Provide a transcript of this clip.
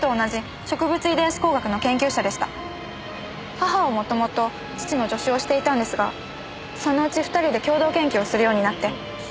母は元々父の助手をしていたんですがそのうち２人で共同研究をするようになって。